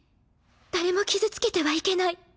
誰も傷つけてはいけない。